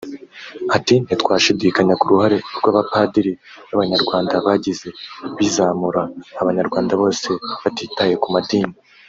Ati “Ntitwashidikanya ku ruhare rw’abapadiri b’Abanyarwanda bagize bizamura abanyarwanda bose batitaye ku madini